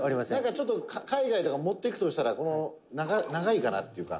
「ちょっと、海外とか持っていくとしたら長いかなっていうか」